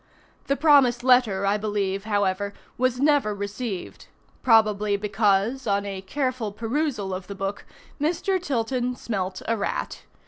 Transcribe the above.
The promised letter, I believe, however, was never received; probably because, on a careful perusal of the book, Mr. Tilton "smelt a rat."